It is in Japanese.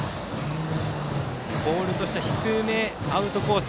ボールとしては低めアウトコース。